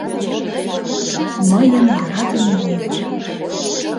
Мыйын йӧратыме еҥже